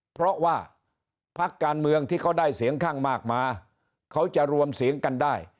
เพราะว่าพักการเมืองที่เขาได้เสียงข้างมากมาเขาจะรวมเสียงกันได้